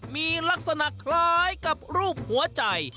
มีลักษณะคล้ายกับรูปหัวใจ